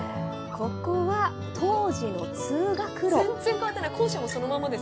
ここが当時の通学路。